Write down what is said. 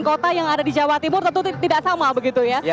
kota yang ada di jawa timur tentu tidak sama begitu ya